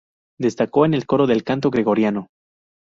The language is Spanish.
Destacó en el coro de canto gregoriano.